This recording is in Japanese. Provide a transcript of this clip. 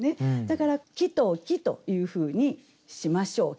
だから「木と木」というふうにしましょう。